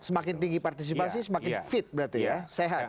semakin tinggi partisipasi semakin fit berarti ya sehat